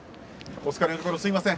お疲れのところ、すみません。